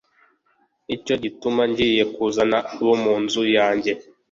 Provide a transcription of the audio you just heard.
ni cyo gituma ngiye kuzana abo mu nzu yanjye